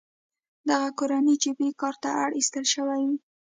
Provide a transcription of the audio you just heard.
دغه کورنۍ جبري کار ته اړ ایستل شوې وې.